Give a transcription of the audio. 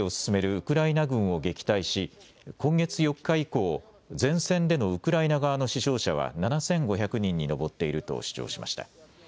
ウクライナ軍を撃退し今月４日以降、前線でのウクライナ側の死傷者は７５００人に上っていると主張しました。